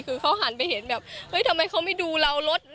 คือเขาหันไปเห็นแบบเฮ้ยทำไมเขาไม่ดูเรารถ